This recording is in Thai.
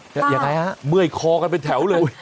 จ้ายังไงฮะเมื่อยคอกันไปแถวเลยอุ๊ย